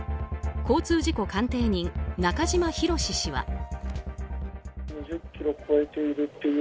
交通事故鑑定人中島博史氏は。